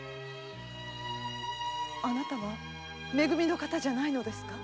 あなたはめ組の方ではないのですか？